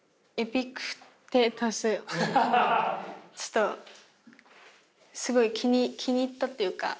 ちょっとすごい気に入ったというか。